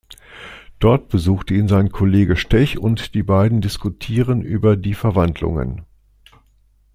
Dort besucht ihn sein Kollege Stech und die beiden diskutieren über die Verwandlungen.